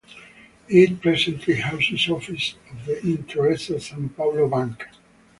It presently houses offices of the Intesa San Paolo bank.